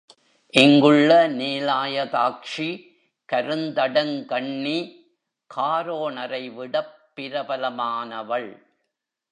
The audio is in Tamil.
இங்குள்ள நீலாயதாக்ஷி கருந்தடங் கண்ணி காரோணரை விடப் பிரபலமானவள்.